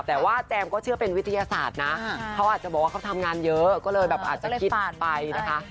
แต่ว่าแจมก็เชื่อเป็นวิทยาศาสตร์นะเขาอาจจะบอกว่าเขาทำงานเยอะก็เลยแบบอาจจะคิดไปนะคะ